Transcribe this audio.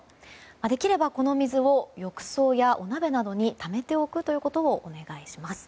できればこの水を浴槽やお鍋などにためておくことをお願いします。